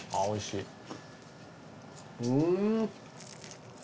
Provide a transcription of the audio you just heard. おいしい！